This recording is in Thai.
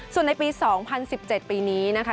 ส่วนในปี๒๐๑๗ปีนี้นะคะ